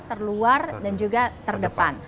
terluar dan juga terdepan